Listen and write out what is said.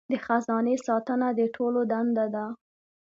د خزانې ساتنه د ټولو دنده ده.